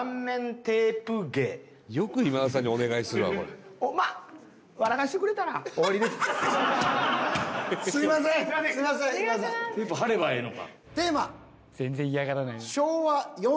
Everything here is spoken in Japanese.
テープ貼ればええのか。